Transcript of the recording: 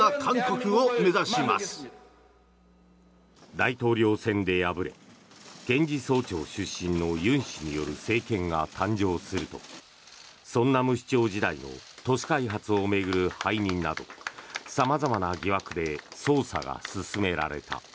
大統領選で敗れ検事総長出身の尹氏による政権が誕生すると城南市長時代の都市開発を巡る背任など様々な疑惑で捜査が進められた。